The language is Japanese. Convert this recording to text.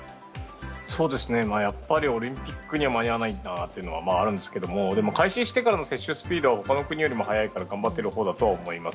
やっぱりオリンピックには間に合わないんだというのがあるんですけど、でも開始してからの接種スピードは他の国より早いから頑張っていると思います。